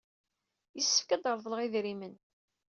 Yessefk ad d-reḍleɣ idrimen.